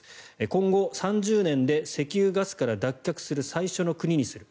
今後３０年で石油、ガスから脱却する最初の国にする。